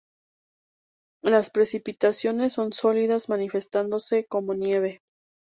Las precipitaciones son sólidas manifestándose como nieve.